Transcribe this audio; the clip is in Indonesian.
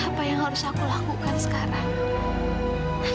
apa yang harus aku lakukan sekarang